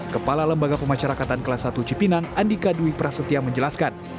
kepala lembaga pemasyarakatan kelas satu cipinang andika dwi prasetya menjelaskan